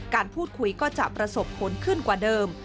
การพูดคุยก็จะประสบผลขึ้นกว่าเดิม